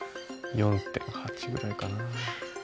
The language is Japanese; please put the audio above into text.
４．８ぐらいかな。